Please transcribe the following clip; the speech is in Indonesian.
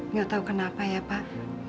nggak tahu kenapa ya pak